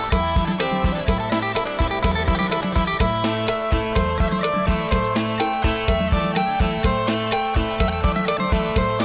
โปรดติดตามตอนต่อไป